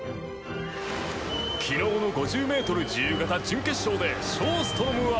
昨日の５０ｍ自由形準決勝でショーストロムは。